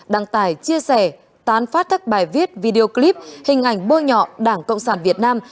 đăng tải chia sẻ tán phát các bài viết video clip hình ảnh bôi nhọ đảng cộng sản việt nam